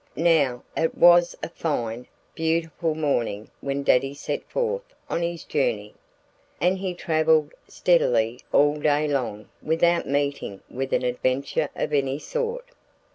Now, it was a fine, beautiful morning when Daddy set forth on his journey. And he travelled steadily all day long without meeting with an adventure of any sort.